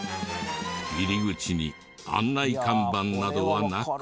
入り口に案内看板などはなく。